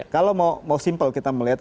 kalau mau simpel kita melihat